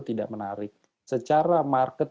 tidak menarik secara market